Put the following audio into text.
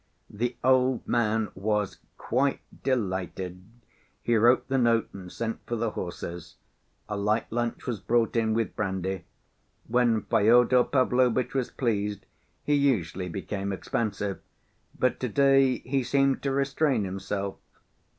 The old man was quite delighted. He wrote the note, and sent for the horses. A light lunch was brought in, with brandy. When Fyodor Pavlovitch was pleased, he usually became expansive, but to‐day he seemed to restrain himself.